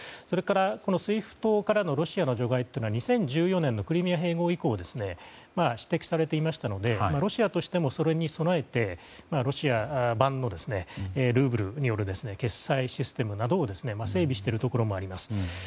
それから、ＳＷＩＦＴからのロシアの除外というのは２０１４年のクリミア併合以降指摘されていましたのでロシアとしてもそれに備えてロシア版のルーブルによる決済システムなどを整備しているところもあります。